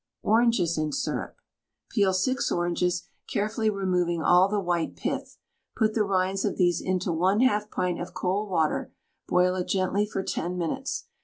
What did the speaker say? ORANGES IN SYRUP. Peel 6 oranges, carefully removing all the white pith. Put the rinds of these into 1/2 pint of cold water; boil it gently for 10 minutes.